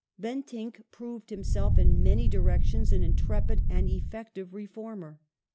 ^ Ben Bentinck proved himself in many directions an intrepid and tinck's effective reformer.